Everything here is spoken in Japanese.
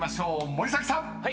森崎さん］